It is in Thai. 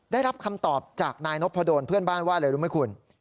ได้รับคำตอบจากนายนพดลเพื่อนบ้านว่าอะไรรู้ไหมคุณ